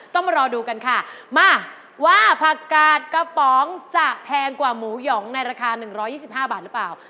ต้องมารอดูกันค่ะมาว่าผักกาดกระป๋องจะแพงกว่าหมูหยองในราคา๑๒๕บาทหรือเปล่า